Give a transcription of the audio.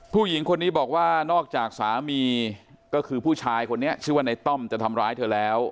ผู้หญิงคนนี้บอกว่านอกจากสามีก็คือผู้ชายคนนี้ชื่อว่าในต้อมจะทำร้ายเธอแล้ว